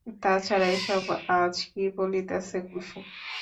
তাছাড়া, এসব আজ কী বলিতেছে কুসুম?